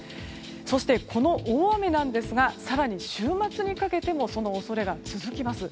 そして、この大雨なんですが更に週末にかけてもその恐れが続きます。